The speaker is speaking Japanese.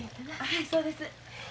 はいそうです。